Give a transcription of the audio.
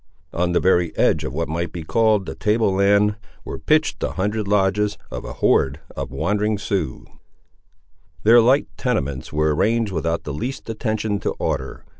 On the very edge of what might be called the table land, were pitched the hundred lodges of a horde of wandering Siouxes. Their light tenements were arranged without the least attention to order.